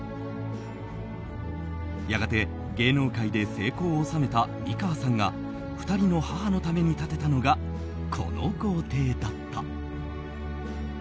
やがて、芸能界で成功を収めた美川さんが２人の母のために建てたのがこの豪邸だった。